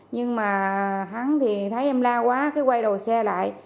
nhưng mà hắn thì thấy em la quá cứ quay đầu xe lại